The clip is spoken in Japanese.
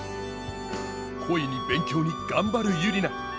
恋に勉強に頑張るユリナ。